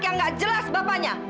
yang nggak jelas bapanya